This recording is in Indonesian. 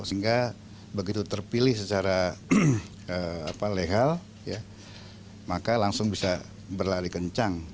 sehingga begitu terpilih secara lehal maka langsung bisa berlari kencang